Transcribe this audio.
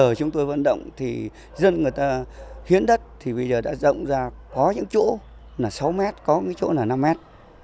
giờ chúng tôi vận động thì dân người ta hiến đất thì bây giờ đã rộng ra có những chỗ là sáu mét có cái chỗ là năm mét